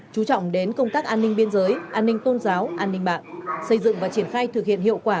chú trọng đến công tác an ninh biên giới an ninh tôn giáo an ninh mạng xây dựng và triển khai thực hiện hiệu quả